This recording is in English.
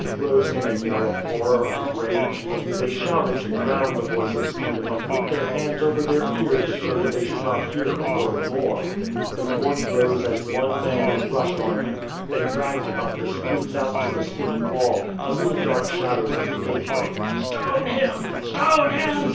" rose in a yell of horror and rage. They shouted to drown the voice of Stephen and put their hands over their ears so that they should not hear a word more. The court rose as one man and rushed on him. They dragged him up the streets out to the city wall, under the dark shadows of the gateway. " Stone him, stone him